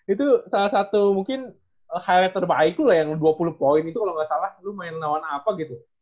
itu salah satu mungkin highlight terbaik lo yang dua puluh poin itu kalau nggak salah lo main lawan apa gitu